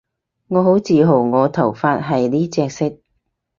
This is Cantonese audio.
我好自豪我頭髮係呢隻色